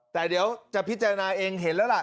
แต่เดี๋ยวจะพิจารณาเองเห็นแล้วล่ะ